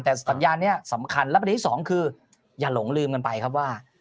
แต่สัญญาณนี้สำคัญและประเด็นที่สองคืออย่าหลงลืมกันไปครับว่า